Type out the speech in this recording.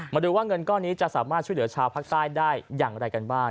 มาดูว่าเงินก้อนนี้จะสามารถช่วยเหลือชาวภาคใต้ได้อย่างไรกันบ้าง